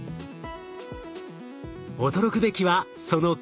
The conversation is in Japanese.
驚くべきはその感度。